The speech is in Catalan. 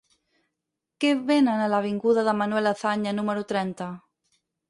Què venen a l'avinguda de Manuel Azaña número trenta?